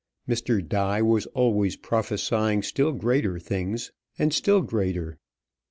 Mr. Die was always prophesying still greater things, and still greater.